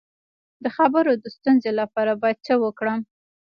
د خبرو د ستونزې لپاره باید څه وکړم؟